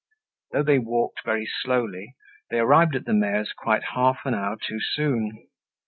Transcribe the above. Though they walked very slowly, they arrived at the mayor's quite half an hour too soon.